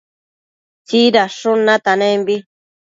tsibansshun istanembi